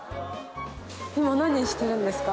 今何してるんですか？